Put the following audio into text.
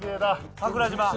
桜島。